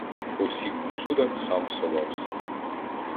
По всіх усюдах сам совавсь.